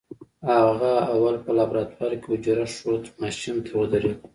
هغه اول په لابراتوار کې حجره ښود ماشين ته ودرېد.